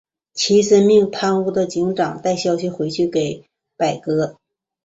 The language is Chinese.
齐森命贪污的警长带消息回去给柏格。